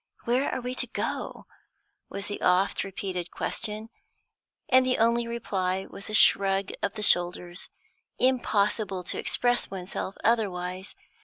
"Where are we to go?" was the oft repeated question, and the only reply was a shrug of the shoulders; impossible to express oneself otherwise.